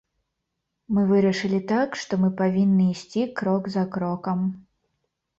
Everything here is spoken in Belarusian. Мы вырашылі так, што мы павінны ісці крок за крокам.